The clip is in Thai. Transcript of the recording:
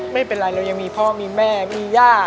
ไม่เป็นไรเรายังมีพ่อมีแม่มีย่า